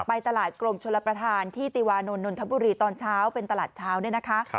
ไปตลาดกรมชลประธานที่ติวานนท์นนทบุรีตอนเช้าเป็นตลาดเช้าเนี่ยนะคะ